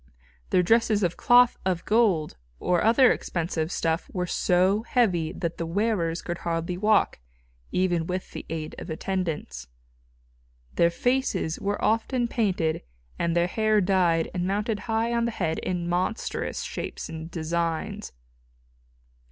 Their dresses of cloth of gold or other expensive stuff were so heavy that the wearers could hardly walk, even with the aid of attendants. Their faces were often painted and their hair dyed and mounted high on the head in monstrous shapes and designs.